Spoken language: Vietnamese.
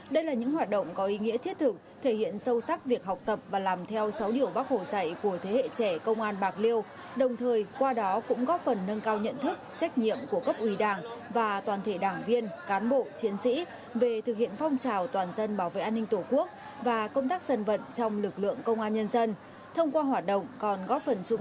đây là những hoạt động có ý nghĩa thiết thực thể hiện sâu sắc việc học tập và làm theo sáu điều bác hồ dạy của thế hệ trẻ công an bạc liêu đồng thời qua đó cũng góp phần nâng cao nhận thức trách nhiệm của cấp ủy đảng và toàn thể đảng viên cán bộ chiến sĩ về thực hiện phong trào toàn dân bảo vệ an ninh tổ quốc và công tác dân vật trong lực lượng công an nhân dân